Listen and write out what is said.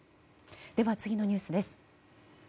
では、次のニュースです。